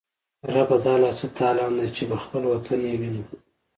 ربه دا لا څه تالان دی، چی به خپل وطن یې وینم